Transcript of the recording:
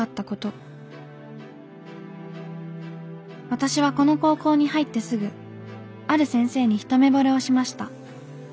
「私はこの高校に入ってすぐある先生にひとめぼれをしました。